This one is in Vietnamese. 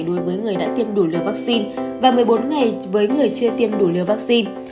đối với người đã tiêm đủ liều vaccine và một mươi bốn ngày với người chưa tiêm đủ liều vaccine